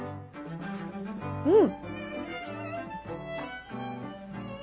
うん！